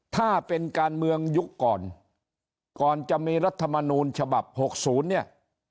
ถ้าเป็นการเมืองยุคก่อนก่อนจะมีรัฐมนูลฉบับ๖๐เนี่ย